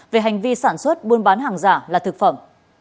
về hành vi sản xuất buôn bán hàng giả là thực phẩm